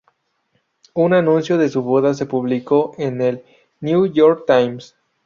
Un anuncio de su boda se publicó en el New York Times.